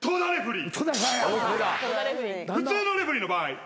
普通のレフリーの場合。